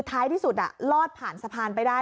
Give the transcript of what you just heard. ท้ายที่สุดลอดผ่านสะพานไปได้